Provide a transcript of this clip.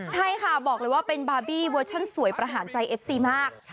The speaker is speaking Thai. ใช่ค่ะบอกเลยว่าเป็นบาร์บี้เวอร์ชั่นสวยประหารใจเอฟซีมาก